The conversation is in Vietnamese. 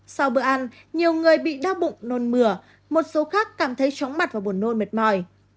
sau bữa ăn nhiều người bị đau bụng nôn mửa một số khác cảm thấy chóng mặt và buồn nôn mệt mỏi